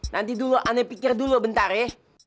nanti dulu aneh pikir dulu bentar ya